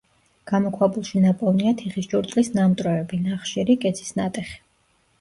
გამოქვაბულში ნაპოვნია თიხის ჭურჭლის ნამტვრევები, ნახშირი, კეცის ნატეხი.